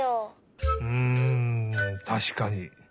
うんたしかに。